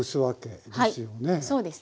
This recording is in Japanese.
はいそうですね。